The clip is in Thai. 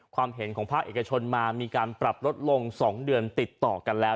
ความเห็นของภาคเอกชนมามีการปรับลดลง๒เดือนติดต่อกันแล้ว